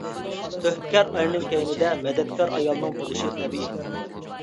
تۆھپىكار ئەرنىڭ كەينىدە مەدەتكار ئايالنىڭ بولۇشى تەبىئىي.